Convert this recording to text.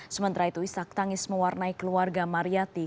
sementara itu isak tangis mewarnai keluarga mariyati